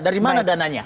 dari mana dananya